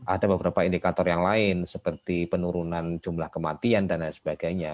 ada beberapa indikator yang lain seperti penurunan jumlah kematian dan lain sebagainya